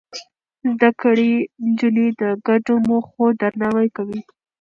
زده کړې نجونې د ګډو موخو درناوی کوي.